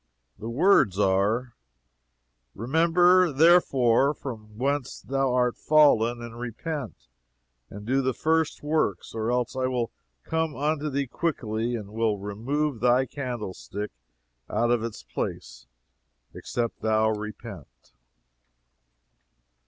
The words are: "Remember, therefore, from whence thou art fallen, and repent, and do the first works; or else I will come unto thee quickly, and will remove thy candlestick out of his place, except thou repent."